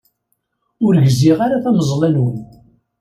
Ur gziɣ ara tameẓla-nwen.